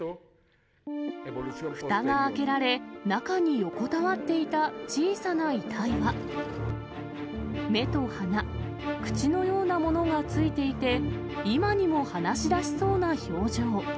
ふたが開けられ、中に横たわっていた小さな遺体は、目と鼻、口のようなものがついていて、今にも話しだしそうな表情。